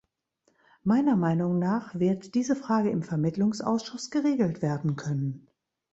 Meiner Meinung nach wird diese Frage im Vermittlungsausschuss geregelt werden können.